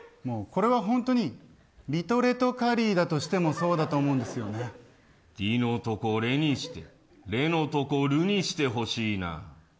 これは本当にリトレトカリーだとしてもそうだと思うんリのとこレにしてレのとこルにしてほしいな。